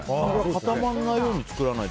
固まらないように作らないと。